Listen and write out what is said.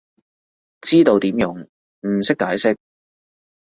知道點用，唔識解釋